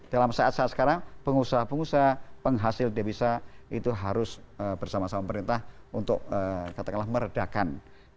dalam saat saat sekarang pengusaha pengusaha penghasil devisa itu harus bersama sama pemerintah untuk katakanlah meredakan